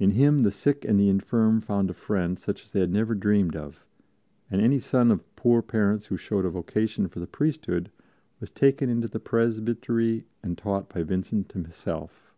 In him the sick and the infirm found a friend such as they had never dreamed of and any son of poor parents who showed a vocation for the priesthood was taken into the presbytery and taught by Vincent himself.